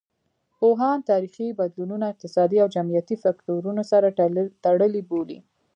پوهان تاریخي بدلونونه اقتصادي او جمعیتي فکتورونو سره تړلي بولي.